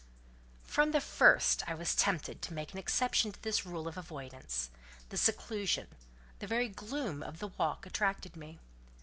From the first I was tempted to make an exception to this rule of avoidance: the seclusion, the very gloom of the walk attracted me.